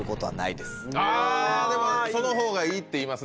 でもその方がいいっていいますね。